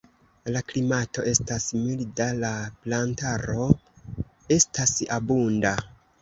La klimato estas milda, la plantaro estas abunda.